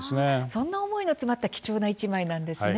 そんな思いが詰まった貴重な１枚なんですね。